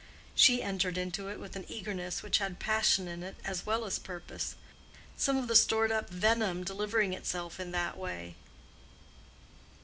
She entered into it with an eagerness which had passion in it as well as purpose, some of the stored up venom delivering itself in that way.